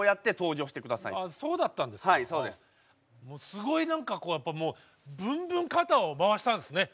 すごい何かこうやっぱもうブンブン肩を回したんですね。